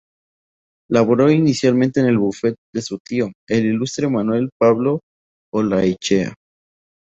Laboró inicialmente en el bufete de su tío, el ilustre Manuel Pablo Olaechea.